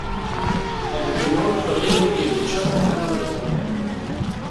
El vint-i-nou de febrer n'Hug i en Quixot aniran a la biblioteca.